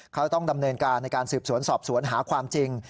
เขาต้องดำเนินการในการสืบสวนสอบสวนหาความจริง